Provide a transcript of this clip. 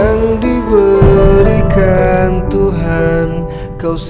ini lelewannya yang rujuk